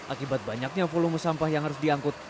akibat banyaknya volume sampah yang harus diangkut